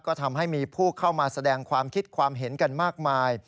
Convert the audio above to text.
ก็ทำให้มีผู้เข้ามาแสดงความคิดความเห็นกันมากมาย